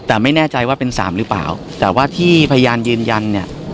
แต่ไม่แน่ใจว่าเป็นสามหรือเปล่าแต่ว่าที่พยานยืนยันเนี่ย